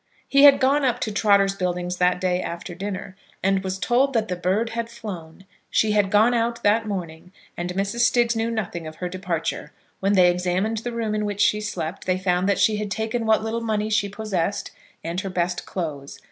He had gone up to Trotter's Buildings that day after dinner, and was told that the bird had flown. She had gone out that morning, and Mrs. Stiggs knew nothing of her departure. When they examined the room in which she slept, they found that she had taken what little money she possessed and her best clothes.